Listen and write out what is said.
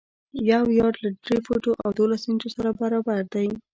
یو یارډ له درې فوټو او دولس انچو سره برابر دی.